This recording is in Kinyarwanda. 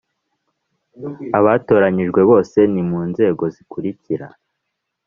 Abatoranyijwe bose ni mu nzego zikurikira